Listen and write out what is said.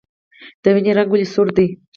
د وینې رنګ ولې سور دی